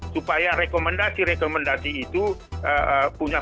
supaya rekomendasi rekomendasi itu punya